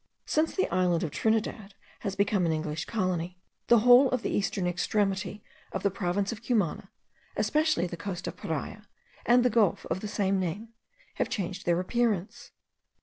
Since the island of Trinidad has become an English colony, the whole of the eastern extremity of the province of Cumana, especially the coast of Paria, and the gulf of the same name, have changed their appearance.